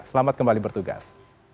selamat kembali bertugas